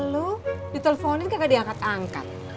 mak lu diteleponin kagak diangkat angkat